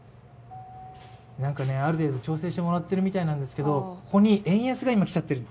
なんか、ある程度調整してもらってるみたいなんですけど、ここに円安が今、来ちゃってる。